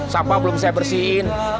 sapa belum saya bersihin